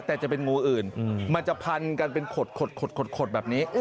แต่จะเป็นงูอื่นอืมมันจะพันกันเป็นขดขดขดขดขดแบบนี้หรอ